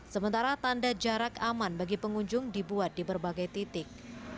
sementara tanda jarak aman bagi pengunjung dibuat di berbagai titik